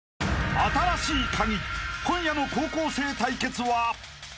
［『新しいカギ』今夜の高校生対決は］